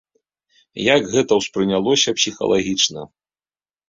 Як гэта ўспрынялося псіхалагічна?